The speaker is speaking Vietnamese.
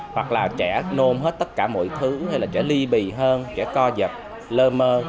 hoặc là trẻ nôn hết tất cả mọi thứ hay là trẻ ly bì hơn trẻ co giật lơ mơ